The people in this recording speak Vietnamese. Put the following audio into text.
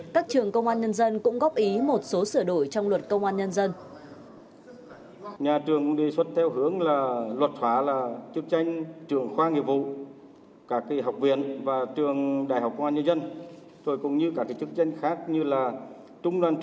các trường công an nhân dân cũng góp ý một số sửa đổi trong luật công an nhân dân